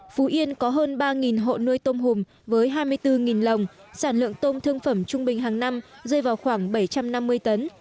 phú yên có hơn ba hộ nuôi tôm hùm với hai mươi bốn lồng sản lượng tôm thương phẩm trung bình hàng năm rơi vào khoảng bảy trăm năm mươi tấn